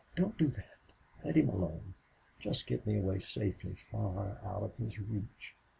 Don't do that. Let him alone. Just get me away safely, far out of his reach."